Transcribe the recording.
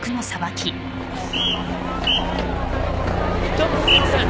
ちょっとすいません。